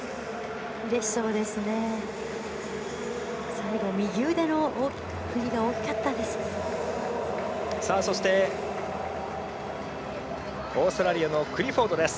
最後、右腕の振りが大きかったです。